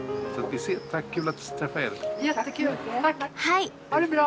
はい。